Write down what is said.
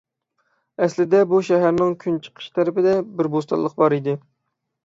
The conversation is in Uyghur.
ئەسلىدە بۇ شەھەرنىڭ كۈنچىقىش تەرىپىدە بىر بوستانلىق بار ئىدى.